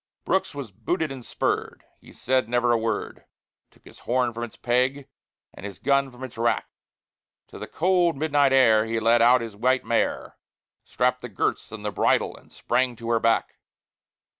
Brooks was booted and spurred; he said never a word; Took his horn from its peg, and his gun from its rack; To the cold midnight air he led out his white mare, Strapped the girths and the bridle, and sprang to her back.